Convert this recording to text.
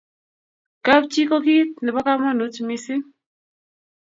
kab chii ko kit nebo kamangut mising